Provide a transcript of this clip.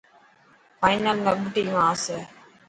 فانل ۾ ٻه ٽيما آسي.